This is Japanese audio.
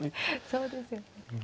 そうですよね。